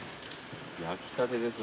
焼きたてですもんね。